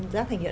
rác thải nhựa